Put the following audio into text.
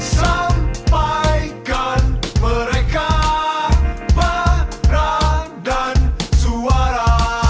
sampaikan mereka barang dan suara